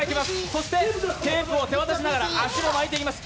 そしてテープを手渡しながら足も巻いていきます。